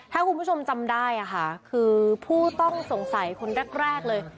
ถ้าคุณผู้ชมจำได้ค่ะคือผู้ต้องสงสัยคนแรกเลย